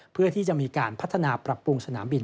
เพื่อที่จะมีการพัฒนาปรับปรุงสนามบิน